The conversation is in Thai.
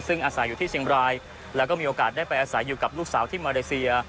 ซึ่งอาศัยอยู่ที่เชียงบรายแล้วก็มีโอกาสได้ไปอาศัยอยู่กับลูกสาวที่มาเลเซีย